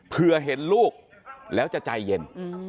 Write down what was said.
เพื่อเห็นลูกแล้วจะใจเย็น